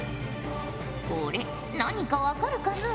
これ何か分かるかのう？